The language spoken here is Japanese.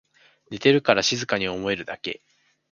寝てるから静かに思えるだけ